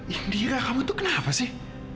indira kamu tuh kenapa sih